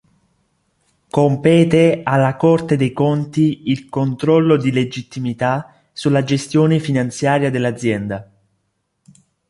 Compete alla Corte dei conti il controllo di legittimità sulla gestione finanziaria dell'azienda.